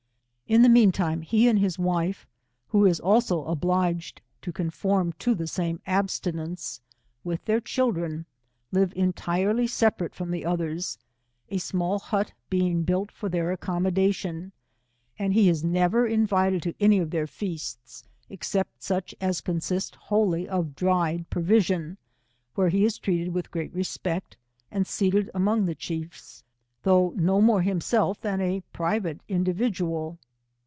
In the mean time, he and his wife, who is also oblig(;d to conform to the same abstinence, with their children, live entirely separate from the others, a small hut being built for their accommodation, and he is never invited to any of the feasts, except such as consist wholly of dried provision, where he is treated with gre; it Q 174 respect, and seated among the chiefs, though no more himself than a private indii4dual.